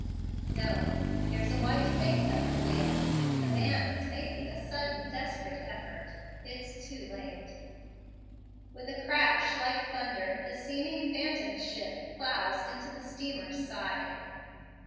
No; there's a white face at the wheel the man is making a sudden, desperate effort it's too late. With a crash like thunder the seeming phantom ship plows into the steamer's side.